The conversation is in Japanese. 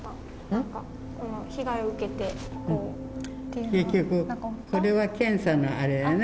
何かこの被害を受けてこううん結局これは検査のあれやね